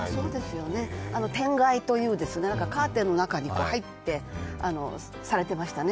天蓋というカーテンの中に入ってされていましたね。